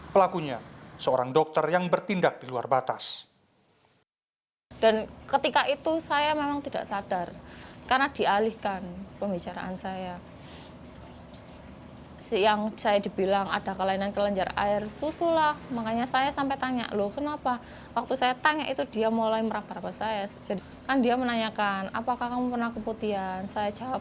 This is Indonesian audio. pelakunya seorang dokter yang bertindak di luar batas